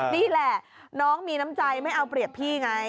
นี่แหละน้องมีน้ำใจไม่เอาเปรียบพี่ไง